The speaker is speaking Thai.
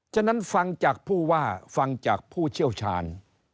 ฉะนั้นฟังจากผู้ว่าฟังจากผู้เชี่ยวชาญ